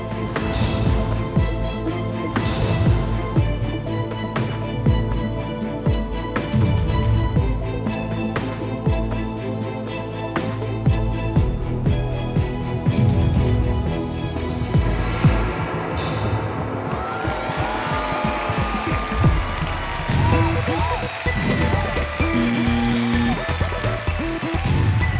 โปรดติดตามตอนต่อไป